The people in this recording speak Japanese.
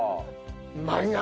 うまいな！